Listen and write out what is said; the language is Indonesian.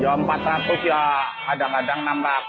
ya empat ratus ya ada ladang enam ratus